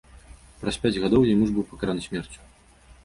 Праз пяць гадоў яе муж быў пакараны смерцю.